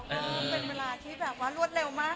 ก็เป็นเวลาที่แบบว่ารวดเร็วมาก